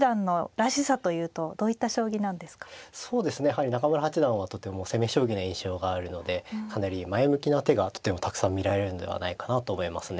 はい中村八段はとても攻め将棋な印象があるのでかなり前向きな手がとてもたくさん見られるのではないかなと思いますね。